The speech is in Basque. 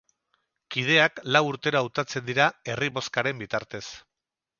Kideak lau urtero hautatzen dira, herri-bozkaren bitartez.